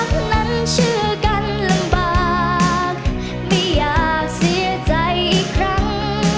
คนนั้นชื่อกันลำบากไม่อยากเสียใจอีกครั้ง